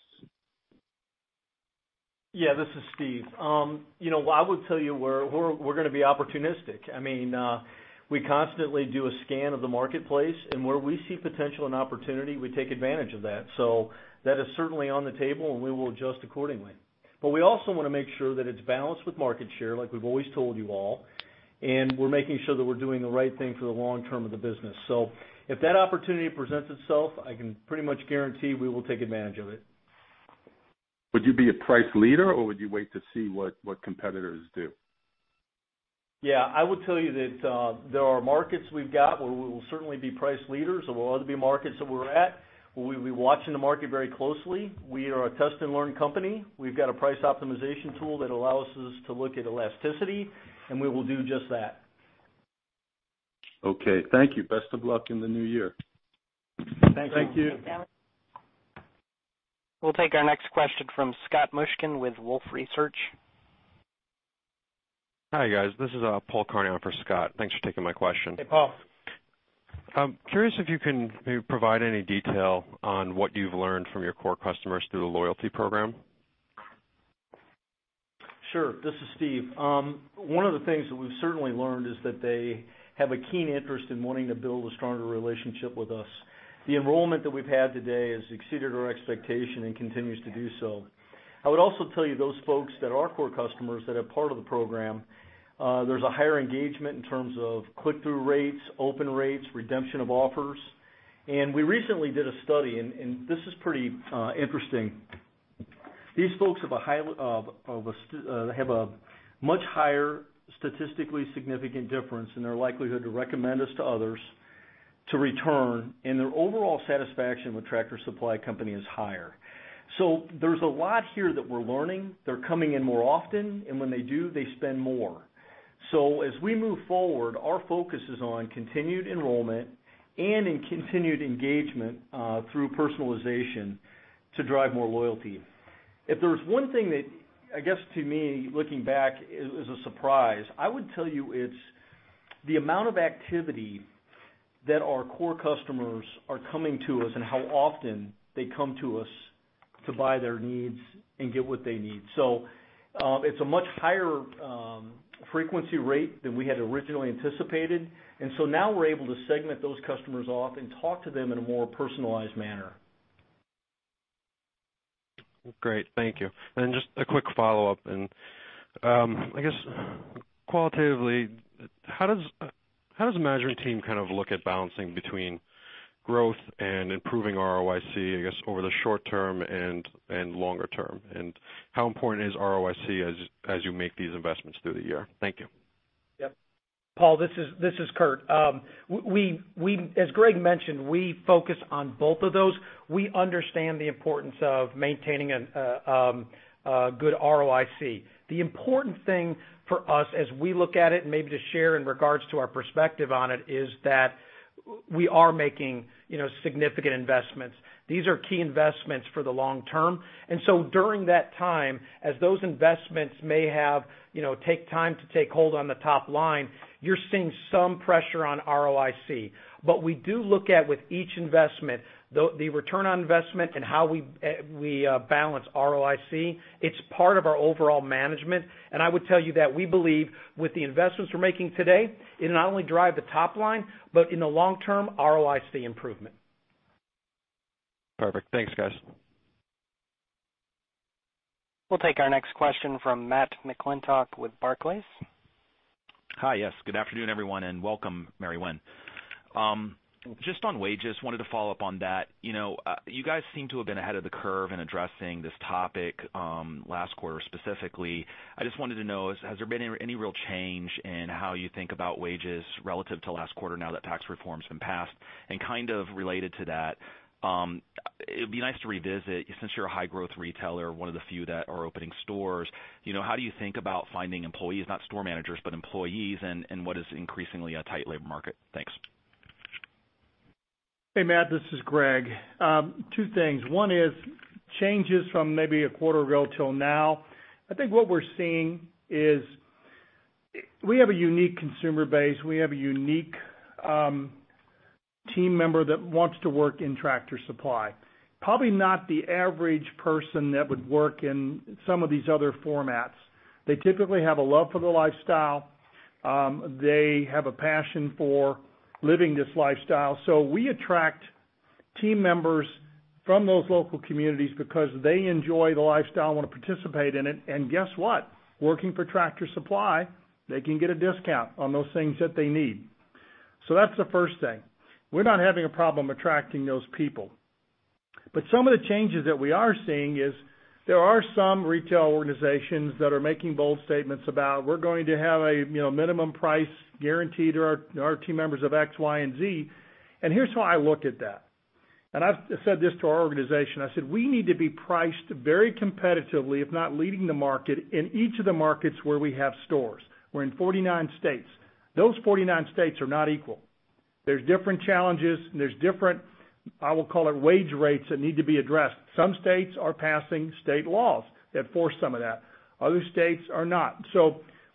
Yeah, this is Steve. I would tell you we're going to be opportunistic. We constantly do a scan of the marketplace, and where we see potential and opportunity, we take advantage of that. That is certainly on the table, and we will adjust accordingly. We also want to make sure that it's balanced with market share, like we've always told you all, and we're making sure that we're doing the right thing for the long term of the business. If that opportunity presents itself, I can pretty much guarantee we will take advantage of it. Would you be a price leader or would you wait to see what competitors do? Yeah, I would tell you that there are markets we've got where we will certainly be price leaders. There will be markets that we're at where we'll be watching the market very closely. We are a test and learn company. We've got a price optimization tool that allows us to look at elasticity, and we will do just that. Okay. Thank you. Best of luck in the new year. Thank you. Thank you. We'll take our next question from Scott Mushkin with Wolfe Research. Hi, guys. This is Paul Carnahan for Scott. Thanks for taking my question. Hey, Paul. I'm curious if you can maybe provide any detail on what you've learned from your core customers through the loyalty program. Sure. This is Steve. One of the things that we've certainly learned is that they have a keen interest in wanting to build a stronger relationship with us. The enrollment that we've had today has exceeded our expectation and continues to do so. I would also tell you, those folks that are core customers that are part of the program, there's a higher engagement in terms of click-through rates, open rates, redemption of offers. We recently did a study, and this is pretty interesting. These folks have a much higher statistically significant difference in their likelihood to recommend us to others, to return, and their overall satisfaction with Tractor Supply Company is higher. There's a lot here that we're learning. They're coming in more often, and when they do, they spend more. As we move forward, our focus is on continued enrollment and in continued engagement through personalization to drive more loyalty. If there's one thing that, I guess to me, looking back, is a surprise, I would tell you it's the amount of activity that our core customers are coming to us and how often they come to us to buy their needs and get what they need. It's a much higher frequency rate than we had originally anticipated, now we're able to segment those customers off and talk to them in a more personalized manner. Great, thank you. Just a quick follow-up. I guess qualitatively, how does the management team look at balancing between growth and improving ROIC, I guess, over the short term and longer term? How important is ROIC as you make these investments through the year? Thank you. Yep. Paul, this is Kurt. As Greg mentioned, we focus on both of those. We understand the importance of maintaining a good ROIC. The important thing for us as we look at it, and maybe to share in regards to our perspective on it, is that we are making significant investments. These are key investments for the long term. During that time, as those investments may take time to take hold on the top line, you're seeing some pressure on ROIC. We do look at, with each investment, the return on investment and how we balance ROIC. It's part of our overall management, and I would tell you that we believe with the investments we're making today, it'll not only drive the top line, but in the long term, ROIC improvement. Perfect. Thanks, guys. We'll take our next question from Matt McClintock with Barclays. Hi, yes. Good afternoon, everyone, and welcome, Mary Winn. Just on wages, wanted to follow up on that. You guys seem to have been ahead of the curve in addressing this topic last quarter specifically. I just wanted to know, has there been any real change in how you think about wages relative to last quarter now that Tax Reform's been passed? Kind of related to that, it'd be nice to revisit, since you're a high-growth retailer, one of the few that are opening stores, how do you think about finding employees, not store managers, but employees in what is an increasingly a tight labor market? Thanks. Hey, Matt, this is Greg. Two things. One is changes from maybe a quarter ago till now. I think what we're seeing is we have a unique consumer base. We have a unique team member that wants to work in Tractor Supply. Probably not the average person that would work in some of these other formats. They typically have a love for the lifestyle. They have a passion for living this lifestyle. We attract team members from those local communities because they enjoy the lifestyle and want to participate in it. Guess what? Working for Tractor Supply, they can get a discount on those things that they need. That's the first thing. We're not having a problem attracting those people. Some of the changes that we are seeing is there are some retail organizations that are making bold statements about, "We're going to have a minimum price guaranteed to our team members of X, Y, and Z." Here's how I look at that, and I've said this to our organization. I said, "We need to be priced very competitively, if not leading the market, in each of the markets where we have stores." We're in 49 states. Those 49 states are not equal. There's different challenges, and there's different, I will call it wage rates, that need to be addressed. Some states are passing state laws that force some of that. Other states are not.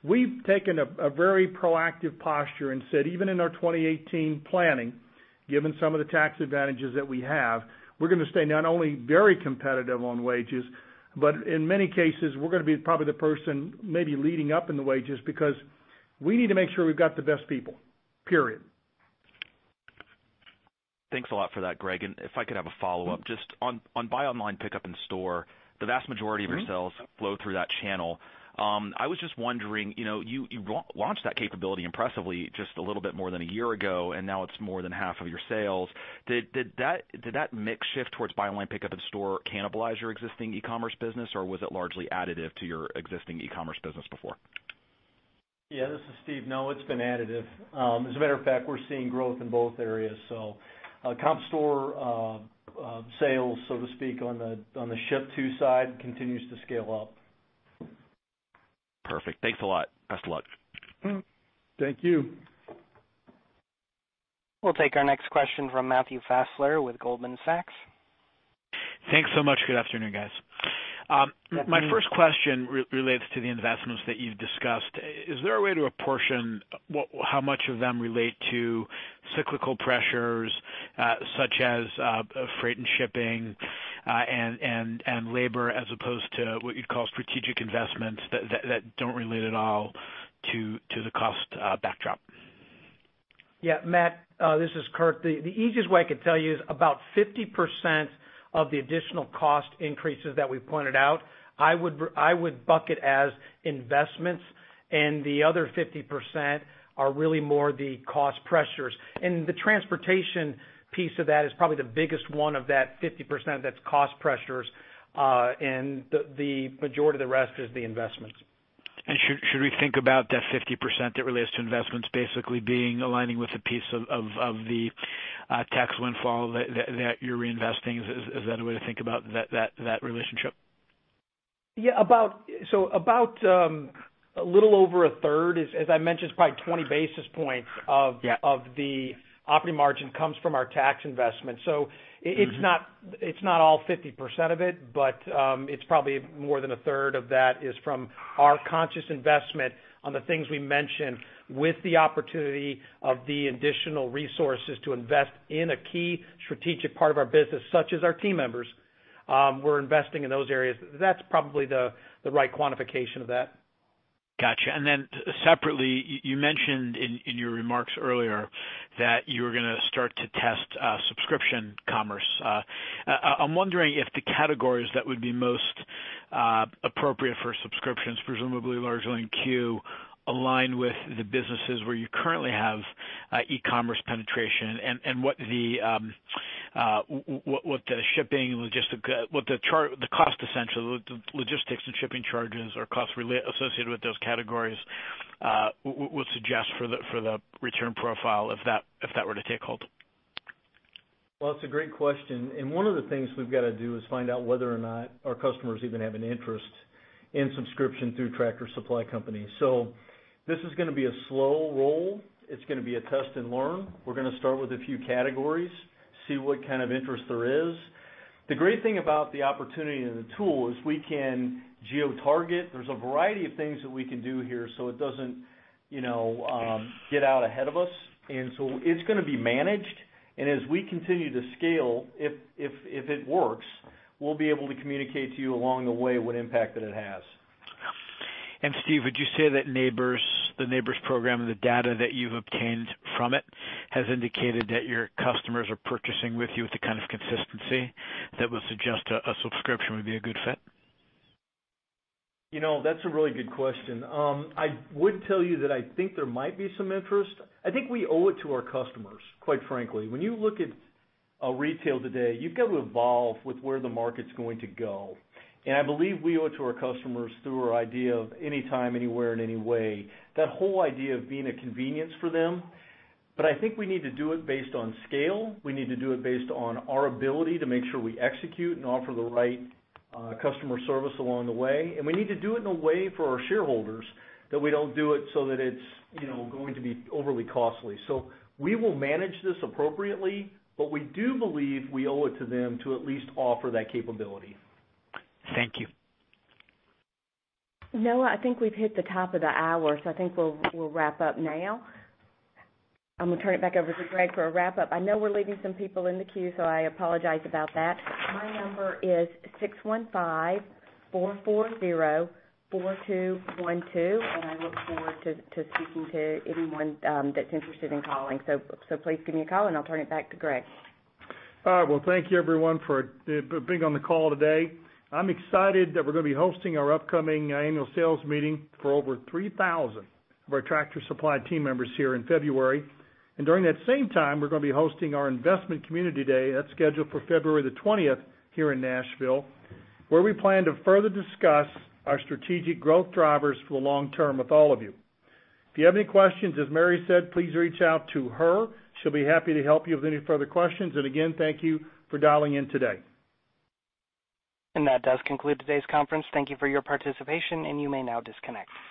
We've taken a very proactive posture and said, even in our 2018 planning, given some of the tax advantages that we have, we're going to stay not only very competitive on wages, but in many cases, we're going to be probably the person maybe leading up in the wages because we need to make sure we've got the best people, period. Thanks a lot for that, Greg. If I could have a follow-up. Just on buy online, pick up in store, the vast majority of your sales flow through that channel. I was just wondering, you launched that capability impressively just a little bit more than one year ago, and now it's more than half of your sales. Did that mix shift towards buy online, pick up in store cannibalize your existing e-commerce business, or was it largely additive to your existing e-commerce business before? This is Steve. It's been additive. As a matter of fact, we're seeing growth in both areas. Comp store sales, so to speak, on the ship-to side continues to scale up. Perfect. Thanks a lot. Best of luck. Thank you. We'll take our next question from Matthew Fassler with Goldman Sachs. Thanks so much. Good afternoon, guys. Good afternoon. My first question relates to the investments that you've discussed. Is there a way to apportion how much of them relate to cyclical pressures such as freight and shipping and labor as opposed to what you'd call strategic investments that don't relate at all to the cost backdrop? Yeah, Matt, this is Kurt. The easiest way I could tell you is about 50% of the additional cost increases that we pointed out, I would bucket as investments, and the other 50% are really more the cost pressures. The transportation piece of that is probably the biggest one of that 50% that's cost pressures, and the majority of the rest is the investments. Should we think about that 50% that relates to investments basically aligning with the piece of the tax windfall that you're reinvesting? Is that a way to think about that relationship? About a little over a third, as I mentioned, it's probably 20 basis points. Yeah of the operating margin comes from our tax investment. It's not all 50% of it, but it's probably more than a third of that is from our conscious investment on the things we mentioned with the opportunity of the additional resources to invest in a key strategic part of our business, such as our team members. We're investing in those areas. That's probably the right quantification of that. Got you. Separately, you mentioned in your remarks earlier that you were going to start to test subscription commerce. I'm wondering if the categories that would be most appropriate for subscriptions, presumably large on C.U.E., align with the businesses where you currently have e-commerce penetration, and what the cost, essentially, the logistics and shipping charges or costs associated with those categories would suggest for the return profile if that were to take hold. It's a great question. One of the things we've got to do is find out whether or not our customers even have an interest in subscription through Tractor Supply Company. This is going to be a slow roll. It's going to be a test and learn. We're going to start with a few categories, see what kind of interest there is. The great thing about the opportunity and the tool is we can geotarget. There's a variety of things that we can do here, so it doesn't get out ahead of us. It's going to be managed. As we continue to scale, if it works, we'll be able to communicate to you along the way what impact that it has. Steve, would you say that the Neighbor's Club and the data that you've obtained from it has indicated that your customers are purchasing with you with the kind of consistency that would suggest a subscription would be a good fit? That's a really good question. I would tell you that I think there might be some interest. I think we owe it to our customers, quite frankly. When you look at retail today, you've got to evolve with where the market's going to go. I believe we owe it to our customers through our idea of anytime, anywhere, in any way, that whole idea of being a convenience for them. I think we need to do it based on scale. We need to do it based on our ability to make sure we execute and offer the right customer service along the way, and we need to do it in a way for our shareholders that we don't do it so that it's going to be overly costly. We will manage this appropriately, but we do believe we owe it to them to at least offer that capability. Thank you. Noah, I think we've hit the top of the hour, I think we'll wrap up now. I'm going to turn it back over to Greg for a wrap-up. I know we're leaving some people in the queue, I apologize about that. My number is 615-440-4212, I look forward to speaking to anyone that's interested in calling. Please give me a call, I'll turn it back to Greg. All right. Well, thank you everyone for being on the call today. I'm excited that we're going to be hosting our upcoming annual sales meeting for over 3,000 of our Tractor Supply team members here in February. During that same time, we're going to be hosting our investment community day. That's scheduled for February the 20th here in Nashville, where we plan to further discuss our strategic growth drivers for the long term with all of you. If you have any questions, as Mary said, please reach out to her. She'll be happy to help you with any further questions. Again, thank you for dialing in today. That does conclude today's conference. Thank you for your participation, and you may now disconnect.